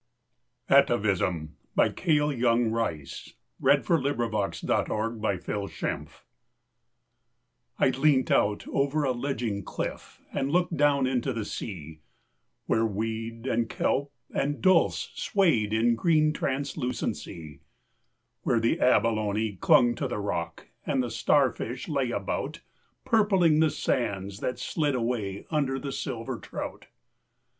o the sea And swam, till the bliss of beauty Died away in me. ATAVISM I leant out over a ledging cliff and looked down into the sea, Where weed and kelp and dulse swayed, in green translucency; Where the abalone clung to the rock and the star fish lay about, Purpling the sands that slid away under the silver trout.